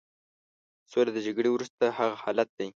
سوله د جګړې وروسته هغه حالت دی.